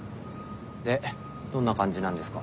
でどんな感じなんですか？